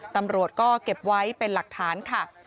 ตำรวจก็เก็บไว้เป็นหลักฐานค่ะ